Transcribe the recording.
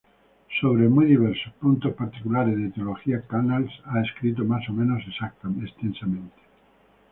Sobre muy diversos puntos particulares de teología Canals ha escrito más o menos extensamente.